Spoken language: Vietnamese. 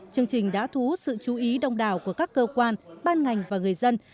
chương trình đã thú sự chú ý đông đảo của các cơ quan ban ngành và người dân